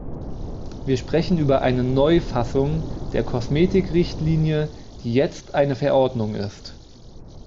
Wir sprechen über eine Neufassung der Kosmetikrichtlinie, die jetzt eine Verordnung ist.